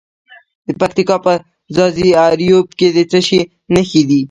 د پکتیا په ځاځي اریوب کې د څه شي نښې دي؟